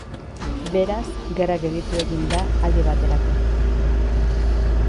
Beraz, gerra gelditu egin da aldi baterako.